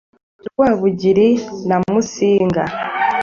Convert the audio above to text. ku bwa Rwabugiri na Musinga.